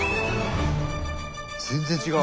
全然違う。